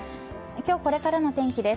今日、これからの天気です。